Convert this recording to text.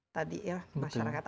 tadi ya masyarakat